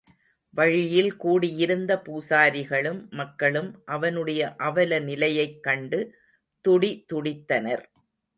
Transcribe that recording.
வழியில் கூடியிருந்த பூசாரிகளும், மக்களும் அவனுடைய அவல நிலையைக் கண்டு துடிதுடித்தனர்.